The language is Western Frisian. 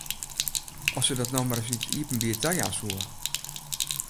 As se dat no mar ris yn it iepenbier tajaan soe!